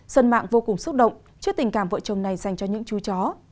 dân mạng vô cùng xúc động trước tình cảm vợ chồng này dành cho những chú chó